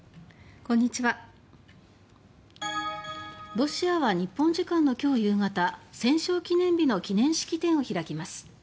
ロシアは日本時間の今日夕方戦勝記念日の記念式典を開きます。